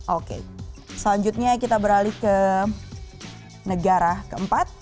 oke selanjutnya kita beralih ke negara keempat